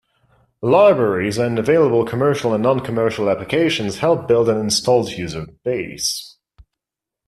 Libraries and available commercial and non-commercial applications help build an installed user base.